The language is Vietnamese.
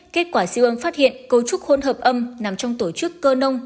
kết quả siêu âm phát hiện cấu trúc khôn hợp âm nằm trong tổ chức cơ nông